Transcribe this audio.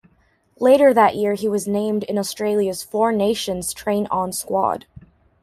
Later that year he was named in Australia's Four-Nations train-on squad.